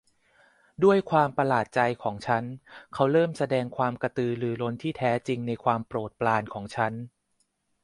ด้วยความประหลาดใจของฉันเขาเริ่มแสดงความกระตือรือร้นที่แท้จริงในความโปรดปรานของฉัน